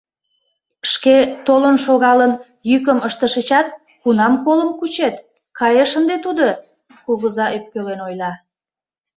— Шке, толын шогалын, йӱкым ыштышычат, кунам колым кучет, кайыш ынде тудо! — кугыза ӧпкелен ойла.